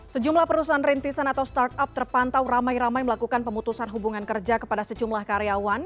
sejumlah perusahaan rintisan atau startup terpantau ramai ramai melakukan pemutusan hubungan kerja kepada sejumlah karyawan